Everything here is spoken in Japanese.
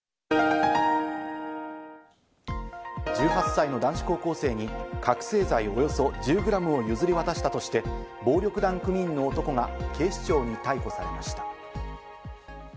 １８歳の男子高校生に覚醒剤およそ１０グラムを譲り渡したとして暴力団組員の男が警視庁に逮捕されました。